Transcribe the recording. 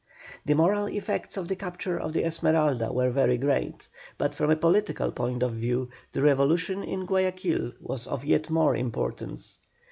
The moral effects of the capture of the Esmeralda were very great, but from a political point of view the revolution in Guayaquil was of yet more importance.